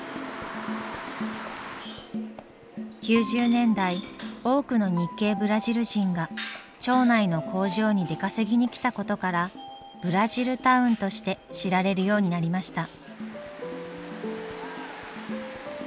９０年代多くの日系ブラジル人が町内の工場に出稼ぎに来たことからブラジルタウンとして知られるようになりました。